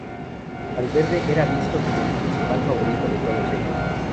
Valverde era visto como el principal favorito de todos ellos.